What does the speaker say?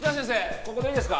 ここでいいですか？